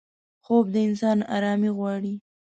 خوب د انسان آرامي غواړي